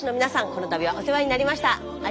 この度はお世話になりました。